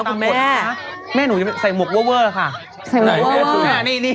ทำไมแม่หนูส่งคลิปให้ดูด้วย